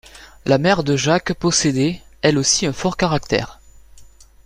La mère de Jacques possédait, elle aussi un fort caractère.